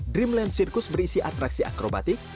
dreamland sirkus berisi atraksi akrobatik